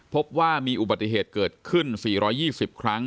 พบว่ามีอุบัติเหตุเกิดขึ้น๔๒๐ครั้ง